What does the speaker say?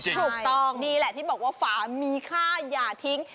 ถูกต้องนี่แหละที่บอกว่าฝามีค่าอย่าทิ้ง